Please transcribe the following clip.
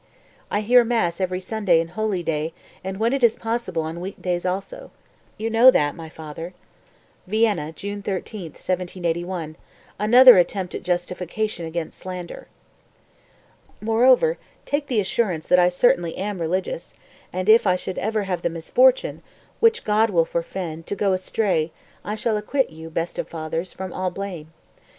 I hear mass every Sunday and holy day, and when it is possible on week days also, you know that, my father." (Vienna, June 13, 1781 another attempt at justification against slander.) 252. "Moreover take the assurance that I certainly am religious, and if I should ever have the misfortune (which God will forefend) to go astray, I shall acquit you, best of fathers, from all blame.